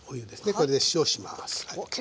これで塩します。